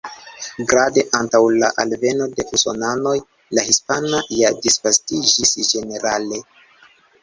Grade, antaŭ la alveno de Usonanoj, la Hispana ja disvastiĝis ĝenerale.